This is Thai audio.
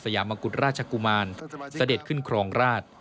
ยามกุฎราชกุมารเสด็จขึ้นครองราช